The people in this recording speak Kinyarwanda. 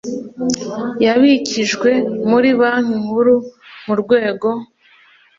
yabikijwe muri Banki Nkuru mu rwego